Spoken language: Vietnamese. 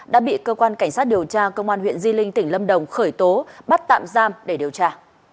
đã bị cơ quan cảnh sát điều tra công an huyện di linh tỉnh lâm đồng khởi tố bắt tạm giam để điều tra